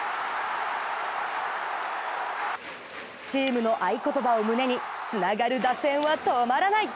チームの合い言葉を胸につながる打線は止まらない。